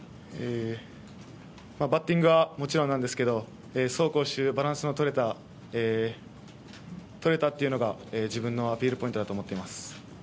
バッティングはもちろんなんですけど、走攻守、バランスのとれたというのが自分のアピールポイントだと思っています。